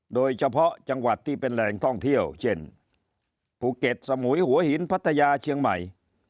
โดยเฉพาะจังหวัดที่เป็นแหล่งท่องเที่ยวเช่นภูเก็ตสมุยหัวหินพัทยาเชียงใหม่